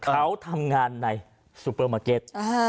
เขาทำงานในซูเปอร์มาร์เก็ต